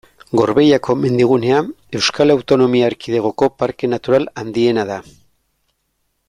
Gorbeiako mendigunea Euskal Autonomia Erkidegoko parke natural handiena da.